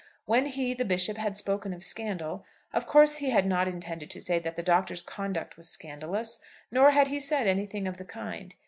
When he, the Bishop, had spoken of scandal, of course he had not intended to say that the Doctor's conduct was scandalous; nor had he said anything of the kind.